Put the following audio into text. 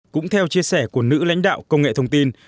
cũng theo chia sẻ của nữ lãnh đạo công nghệ thông tin